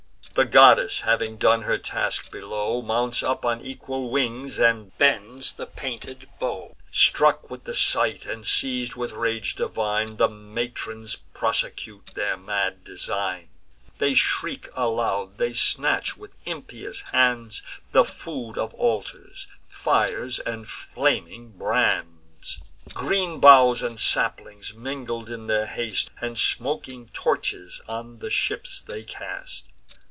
The goddess, having done her task below, Mounts up on equal wings, and bends her painted bow. Struck with the sight, and seiz'd with rage divine, The matrons prosecute their mad design: They shriek aloud; they snatch, with impious hands, The food of altars; fires and flaming brands. Green boughs and saplings, mingled in their haste, And smoking torches, on the ships they cast.